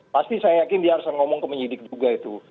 pasti saya yakin dia harus ngomong ke penyidik juga itu